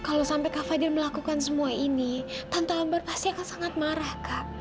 kak kalau sampai kak fadiyah melakukan semua ini tante ambar pasti akan sangat marah kak